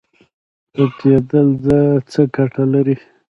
پټیدل څه ګټه لري؟